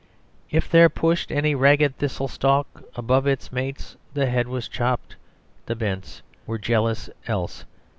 "If there pushed any ragged thistle stalk Above its mates, the head was chopped; the bents Were jealous else.